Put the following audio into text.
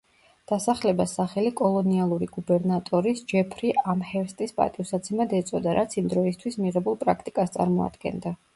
დასახლებას სახელი კოლონიალური გუბერნატორის ჯეფრი ამჰერსტის პატივსაცემად ეწოდა, რაც იმ დროისთვის მიღებულ პრაქტიკას წარმოადგენდა.